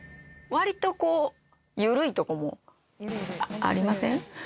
わりと緩いとこもありません？